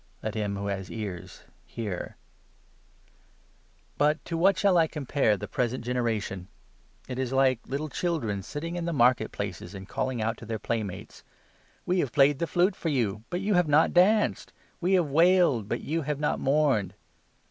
Let him who has ears hear. But to 15, 16 what shall I compare the present generation ? It is like little children sitting in the market places and calling out to 17 their playmates —' We have played the flute for you, but you have not danced ; We have wailed, but you have not mourned.